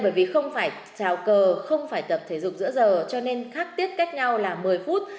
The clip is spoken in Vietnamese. bởi vì không phải trào cờ không phải tập thể dục giữa giờ cho nên khác tiết cách nhau là một mươi phút